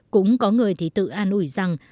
cũng có người thì tự an ủi rằng